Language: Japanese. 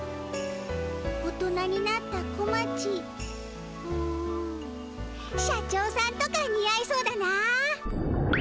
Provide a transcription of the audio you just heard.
大人になった小町うん社長さんとかにあいそうだな。